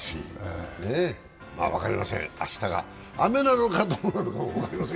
まあ分かりません、明日が雨なのかどうなのかも分かりません。